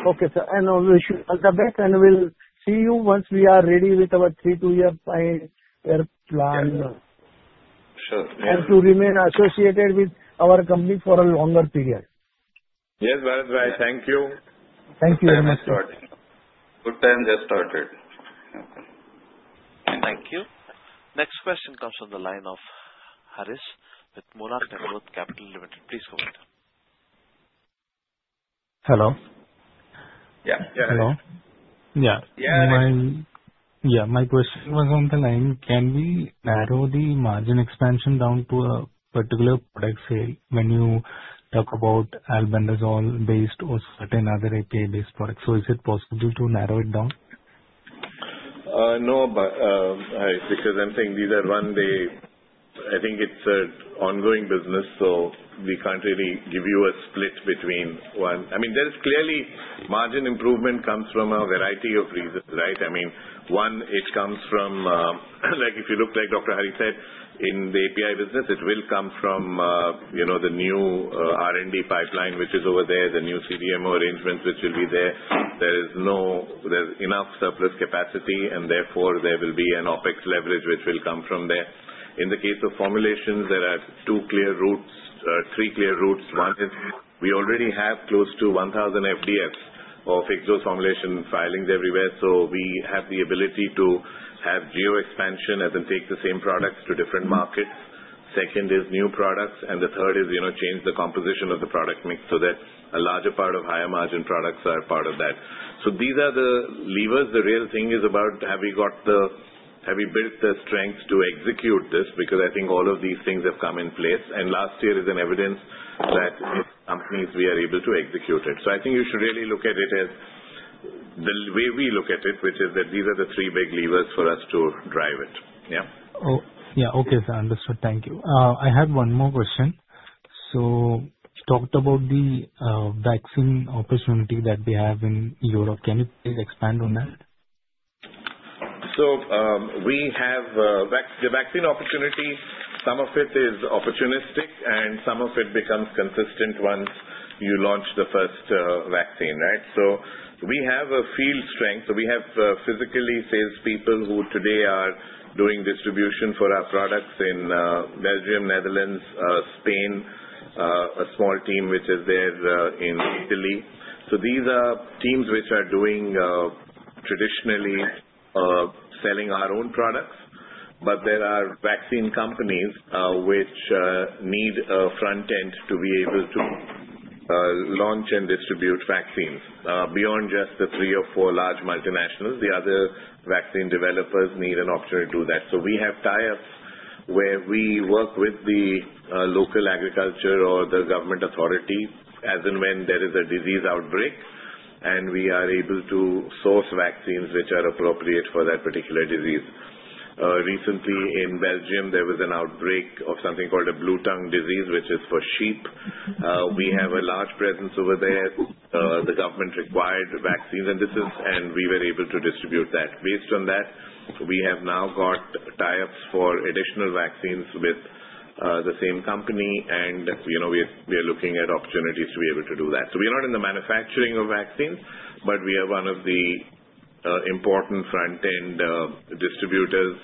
Okay, sir. Wish you all the best, and we'll see you once we are ready with our three, two year plan. Sure. To remain associated with our company for a longer period. Yes, Bharat. Thank you. Thank you very much. Good time get started. Thank you. Next question comes from the line of Harish with Monarch Networth Capital. Please go ahead. Hello? Yeah. Hello. Yeah. Yeah. Yeah. My question was on the line, can we narrow the margin expansion down to a particular product sale when you talk about albendazole-based or certain other API-based products? Is it possible to narrow it down? No, because I'm saying these are one day I think it's an ongoing business, so we can't really give you a split between one. I mean, there is clearly margin improvement comes from a variety of reasons, right? I mean, one, it comes from, like if you look like Dr. Hari said, in the API business, it will come from the new R&D pipeline, which is over there, the new CDMO arrangements, which will be there. There's enough surplus capacity and therefore there will be an OpEx leverage which will come from there. In the case of formulations, there are two clear routes, three clear routes. One is we already have close to 1,000 FDFs or fixed dose formulation filings everywhere. We have the ability to have geo expansion as in take the same products to different markets. Second is new products. The third is change the composition of the product mix so that a larger part of higher margin products are part of that. These are the levers. The real thing is about have we built the strength to execute this? I think all of these things have come in place. Last year is an evidence that if companies, we are able to execute it. I think you should really look at it as the way we look at it, which is that these are the three big levers for us to drive it. Yeah. Oh, yeah. Okay, sir. Understood. Thank you. I had one more question. You talked about the vaccine opportunity that we have in Europe. Can you please expand on that? We have the vaccine opportunity. Some of it is opportunistic and some of it becomes consistent once you launch the first vaccine, right? We have a field strength. We have physically sales people who today are doing distribution for our products in Belgium, Netherlands, Spain, a small team which is there in Italy. These are teams which are doing traditionally selling our own products. There are vaccine companies which need a front end to be able to launch and distribute vaccines. Beyond just the three or four large multinationals, the other vaccine developers need an option to do that. We have tie-ups where we work with the local agriculture or the government authority as and when there is a disease outbreak, and we are able to source vaccines which are appropriate for that particular disease. Recently, in Belgium, there was an outbreak of something called a Bluetongue disease, which is for sheep. We have a large presence over there. The government required vaccine, and we were able to distribute that. Based on that, we have now got tie-ups for additional vaccines with the same company, and we are looking at opportunities to be able to do that. We are not in the manufacturing of vaccines, but we are one of the important front-end distributors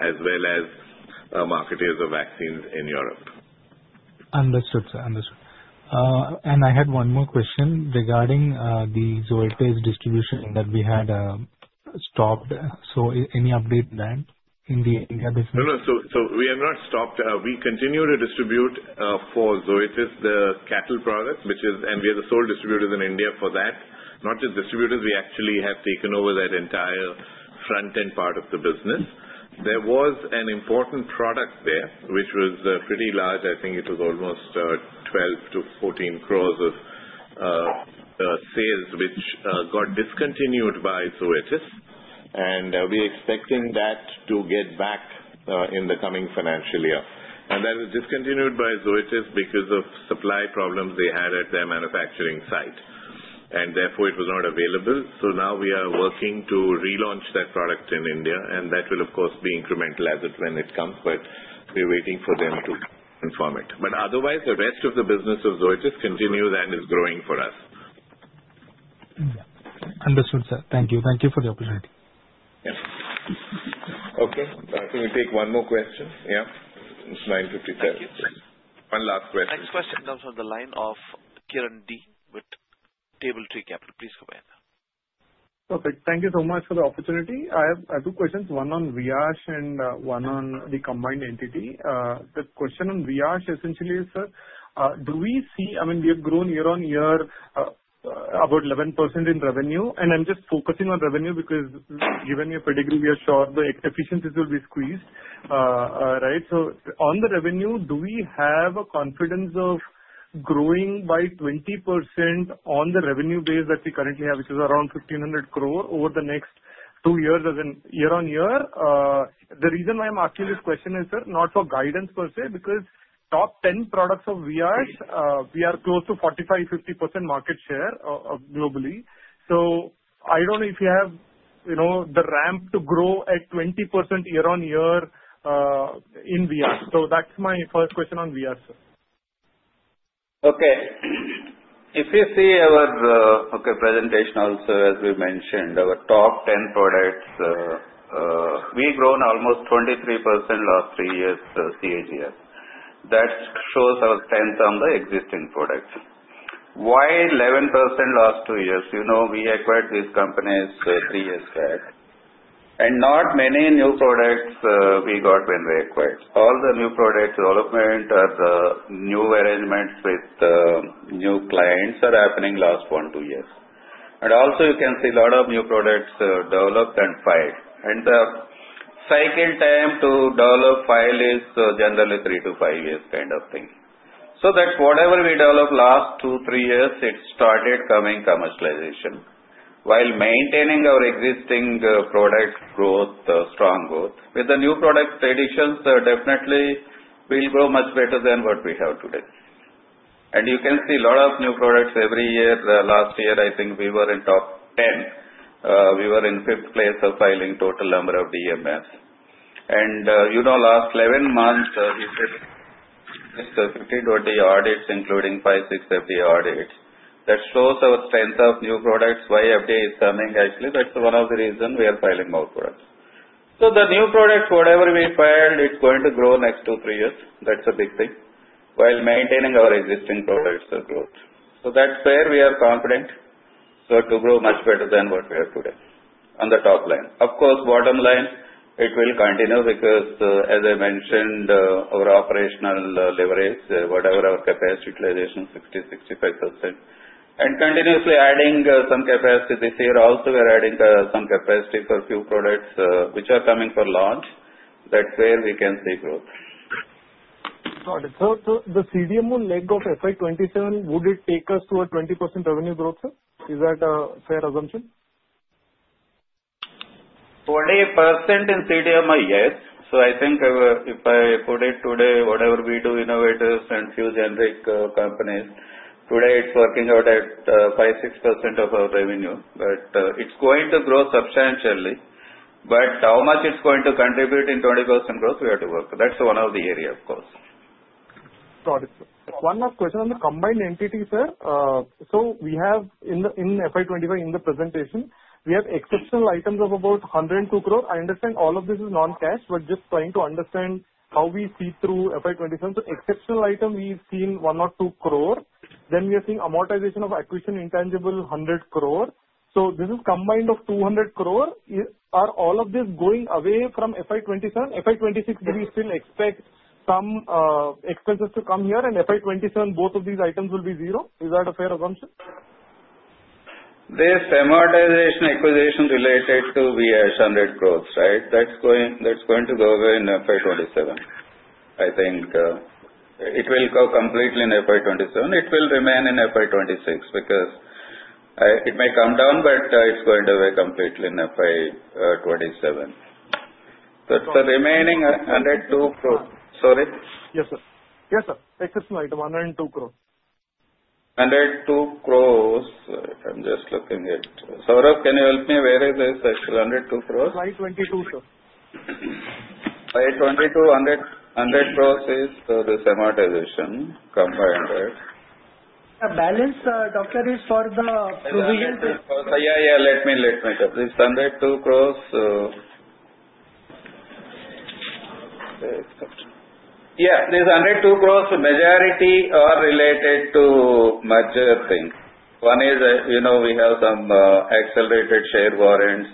as well as marketers of vaccines in Europe. Understood, sir. I had one more question regarding the Zoetis distribution that we had stopped. Any update there in the India business? No. We have not stopped. We continue to distribute for Zoetis, the cattle product, and we are the sole distributors in India for that. Not just distributors, we actually have taken over that entire front-end part of the business. There was an important product there, which was pretty large. I think it was almost 12 crore-14 crore of sales, which got discontinued by Zoetis, and we are expecting that to get back in the coming financial year. That was discontinued by Zoetis because of supply problems they had at their manufacturing site. Therefore, it was not available. Now we are working to relaunch that product in India, and that will, of course, be incremental when it comes, but we are waiting for them to confirm it. Otherwise, the rest of the business of Zoetis continues and is growing for us. Understood, sir. Thank you. Thank you for the opportunity. Yes. Okay. Can we take one more question? Yeah. It's 9:57. One last question. Next question comes from the line of Kiran Dhanwada with Table Tree Capital. Please go ahead. Okay. Thank you so much for the opportunity. I have two questions, one on Viyash and one on the combined entity. The question on Viyash essentially is, sir, I mean, we have grown year-on-year about 11% in revenue, and I'm just focusing on revenue because given your pedigree, we are sure the efficiencies will be squeezed, right? On the revenue, do we have a confidence of growing by 20% on the revenue base that we currently have, which is around 1,500 crore over the next two years as in year-on-year? The reason why I'm asking this question is, sir, not for guidance per se, because top ten products of Viyash, we are close to 45%-50% market share globally. I don't know if you have the ramp to grow at 20% year-on-year in Viyash. That's my first question on Viyash, sir. Okay. If you see our presentation also, as we mentioned, our top 10 products, we've grown almost 23% last three years, CAGR. That shows our strength on the existing products. Why 11% last two years? We acquired these companies three years back, and not many new products we got when we acquired. All the new product development or the new arrangements with new clients are happening last one, two years. Also you can see lot of new products developed and filed. The cyle time to develop file is generally three to five years kind of thing. That whatever we developed last two, three years, it started coming commercialization while maintaining our existing product growth, strong growth. With the new product additions, definitely we'll grow much better than what we have today. You can see lot of new products every year. Last year, I think we were in top 10. We were in fifth place of filing total number of DMFs. Last 11 months, we filed 15 to 20 audits, including five, six FDA audits. That shows our strength of new products, why FDA is coming actually. That's one of the reason we are filing more products. The new product, whatever we filed, it's going to grow next two, three years. That's a big thing while maintaining our existing products growth. That's where we are confident, sir, to grow much better than what we are today on the top line. Of course, bottom line, it will continue because as I mentioned, our operational leverage, whatever our capacity utilization, 60%-65%. Continuously adding some capacity. This year also, we are adding some capacity for few products which are coming for launch. That's where we can see growth. Got it. Sir, the CDMO leg of FY 2027, would it take us to a 20% revenue growth, sir? Is that a fair assumption? 20% in CDMO, yes. I think if I put it today, whatever we do, innovators and few generic companies, today it's working out at 5%-6% of our revenue. It's going to grow substantially. How much it's going to contribute in 20% growth, we have to work. That's one of the area, of course. Got it. One last question on the combined entity, sir. We have in FY 2025, in the presentation, we have exceptional items of about 102 crore. I understand all of this is non-cash, but just trying to understand how we see through FY 2027. Exceptional item, we've seen 102 crore. We are seeing amortization of acquisition intangible, 100 crore. This is combined of 200 crore. Are all of this going away from FY 2027? FY 2026, do we still expect some expenses to come here and FY 2027, both of these items will be zero? Is that a fair assumption? This amortization acquisition related to Viyash INR 100 crore, right? That's going to go away in FY 2027. I think it will go completely in FY 2027. It will remain in FY 2026 because it may come down, but it's going away completely in FY 2027. The remaining 102 crore. Sorry? Yes, sir. Yes, sir. Exceptional item, 102 crore. 102 crores. I'm just looking at Saurav, can you help me? Where is this actual 102 crores? Line 22, sir. 100 crores is the amortization combined. The balance, doctor, is for the provision. Yeah. Let me check. This 102 crores. Yeah. This 102 crores majority are related to merger things. One is, we have some accelerated share warrants,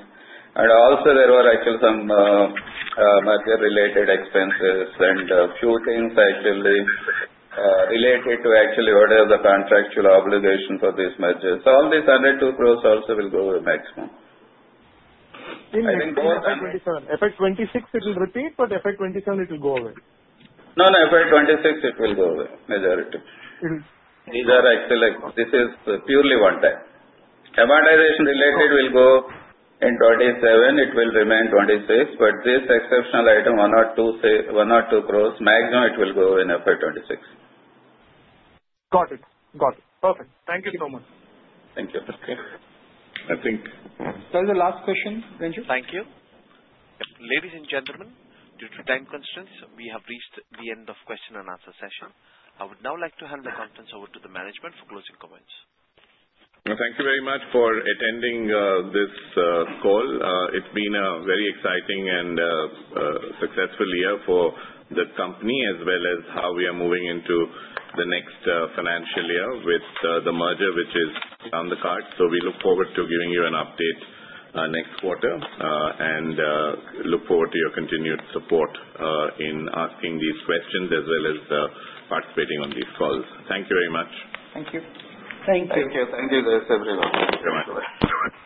and also there were actually some merger related expenses and a few things actually related to actually whatever the contractual obligation for this merger. All this 102 crores also will go away maximum. In FY 2027. FY 2026, it will repeat, but FY 2027 it will go away. No, FY 2026, it will go away. Majority. These are actually like, this is purely one time. Amortization related will go in 2027. It will remain 2026. This exceptional item, 102 crores maximum, it will go in FY 2026. Got it. Perfect. Thank you so much. Thank you. That's it. I think. That was the last question, Thank youu. Thank you. Ladies and gentlemen, due to time constraints, we have reached the end of question and answer session. I would now like to hand the conference over to the management for closing comments. Thank you very much for attending this call. It's been a very exciting and successful year for the company as well as how we are moving into the next financial year with the merger, which is on the card. We look forward to giving you an update next quarter. Look forward to your continued support in asking these questions as well as participating on these calls. Thank you very much. Thank you. Thank you. Thank you. Thank you, everyone. Thank you very much.